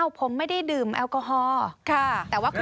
ผมไม่ได้ดื่มแอลกอฮอล์